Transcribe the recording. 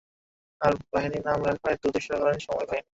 আর বাহিনীর নাম রাখা হয় দূর্দশাকালীন সময়ের বাহিনী।